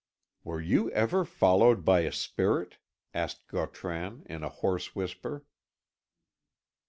"Were you ever followed by a spirit?" asked Gautran, in a hoarse whisper.